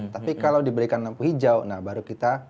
tapi kalau diberikan lampu hijau nah baru kita